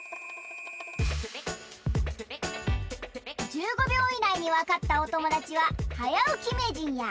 １５びょういないにわかったおともだちは「はやおきめいじん」や！